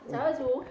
chào mừng chú